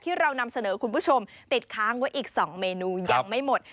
เรานำเสนอคุณผู้ชมติดค้างไว้อีก๒เมนูยังไม่หมด